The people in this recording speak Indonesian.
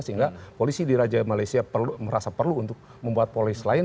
sehingga polisi di raja malaysia merasa perlu untuk membuat polis lain